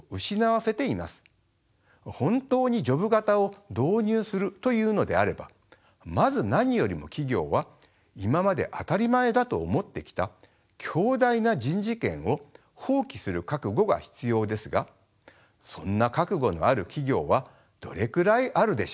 本当にジョブ型を導入するというのであればまず何よりも企業は今まで当たり前だと思ってきた強大な人事権を放棄する覚悟が必要ですがそんな覚悟のある企業はどれくらいあるでしょうか。